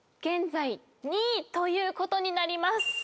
現在２位ということになります。